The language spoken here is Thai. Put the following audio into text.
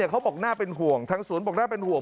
เขาบอกน่าเป็นห่วงทางสวนบอกน่าเป็นห่วง